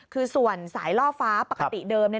คือส่วนสายล่อฟ้าปกติเดิม